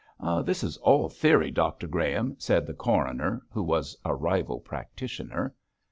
'This is all theory, Dr Graham,' said the coroner, who was a rival practitioner.